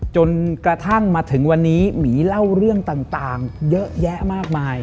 จนกระทั่งมาถึงวันนี้หมีเล่าเรื่องต่างเยอะแยะมากมาย